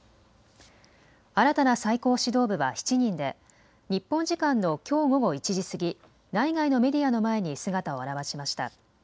新たな最高指導部は７人で日本時間のきょう午後１時過ぎ、内外のメディアの前に姿を現しました。